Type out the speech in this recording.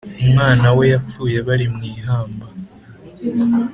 umwana we yapfuye bari mu ihamba.